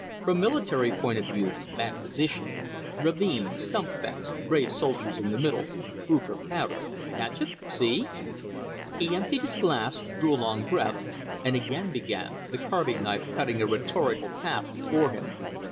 From military point of view, bad position ravine, stump fence, brave soldiers in the middle, food for powder catch it? see?" He emptied his glass, drew a long breath, and again began, the carving knife cutting a rhetorical path before him.